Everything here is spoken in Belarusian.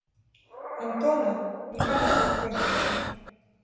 Антона, не памятаю прозвішча.